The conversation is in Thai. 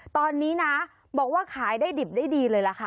ตอนนี้นะบอกว่าขายได้ดิบได้ดีเลยล่ะค่ะ